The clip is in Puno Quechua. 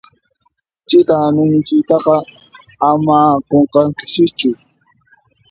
Chita ñuñuchiytaqa ama qunqankichischu.